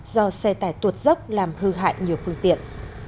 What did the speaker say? do xe tải tuột dốc làm hư hại nhiều phương tiện